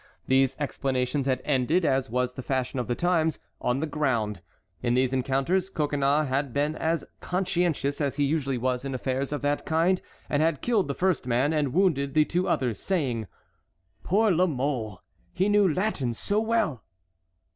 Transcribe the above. These explanations had ended, as was the fashion of the times, on the ground. In these encounters Coconnas had been as conscientious as he usually was in affairs of that kind, and had killed the first man and wounded the two others, saying: "Poor La Mole, he knew Latin so well!"